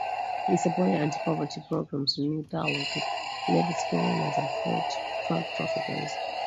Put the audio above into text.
He supported anti-poverty programs, renewed dialogue with leftist guerillas and fought drug traffickers.